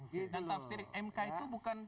tafsir mk itu bukan